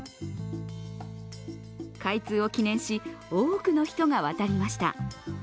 開通を記念し多くの人が渡りました。